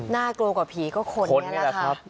น่ากลัวกว่าผีก็คนนี้แหละค่ะ